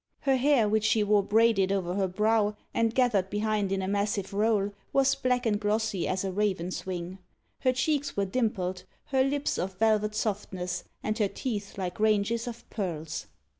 Her hair, which she wore braided over her brow and gathered behind in a massive roll, was black and glossy as a raven's wing. Her cheeks were dimpled, her lips of velvet softness, and her teeth like ranges of pearls.